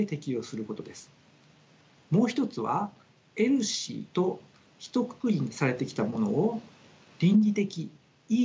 もう一つはＥＬＳＩとひとくくりにされてきたものを倫理的の課題